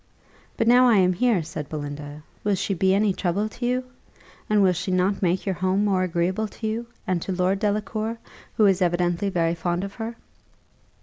"But now I am here," said Belinda, "will she he any trouble to you? And will she not make your home more agreeable to you, and to Lord Delacour, who was evidently very fond of her?"